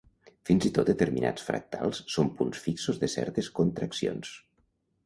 Fins i tot determinats fractals són punts fixos de certes contraccions.